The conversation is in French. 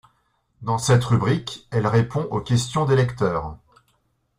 Dans cette rubrique, elle répond aux questions des lecteurs.